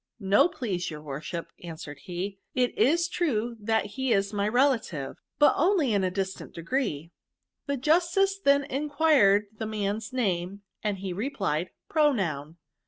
* No,. please your worship,' answered he ;* it ia true that he is my relative, but only in a dis tant degree.' TERBS. ^83 " The justice then enquired the man's name, and he replied, * Pronoun.'